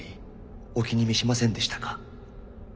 お気に召しませんでしたか？